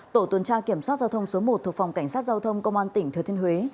tổ tuần tra kiểm soát giao thông số một thuộc phòng cảnh sát giao thông công an tỉnh thừa thiên huế